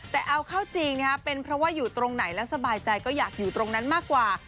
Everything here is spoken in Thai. แต่เอาเข้าจริงเป็นเพราะว่าอยู่ตรงไหนและสบายใจก็อยากอยู่ตรงนั้นมากกว่า